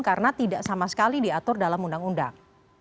karena tidak sama sekali diatur dalam undang undang